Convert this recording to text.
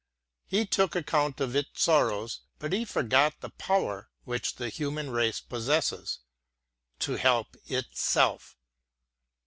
He took account of its sorrows, but he forgot the power which the human race possesses, — to help itself.